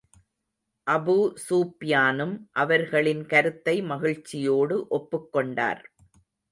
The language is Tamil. அபூஸூப்யானும் அவர்களின் கருத்தை மகிழ்ச்சியோடு ஒப்புக் கொண்டார்.